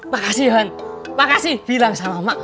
makasih han makasih bilang sama makmu